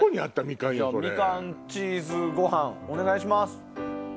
みかんチーズご飯お願いします。